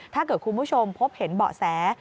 ถ้าเกิดคุณผู้ชมพบเห็นเบาะแส